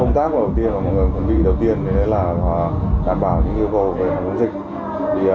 công tác đầu tiên mà mọi người chuẩn bị đầu tiên là đảm bảo những yêu cầu về hành động dịch